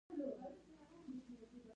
_وګوره، پيسو ته وګوره! ټول زرګون دي.